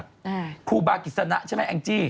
ครูบากิษณะ